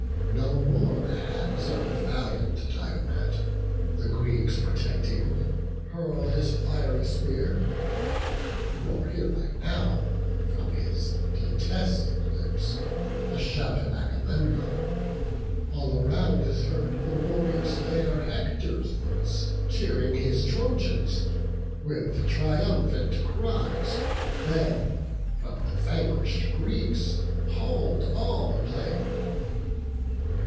No more the hands of valiant Diomed, The Greeks protecting, hurl his fiery spear; Nor hear I now, from his detested lips, The shout of Agamemnon; all around Is heard the warrior slayer Hector's voice, Cheering his Trojans; with triumphant cries They, from the vanquish'd Greeks, hold all the plain.